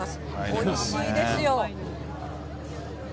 おいしいですよ。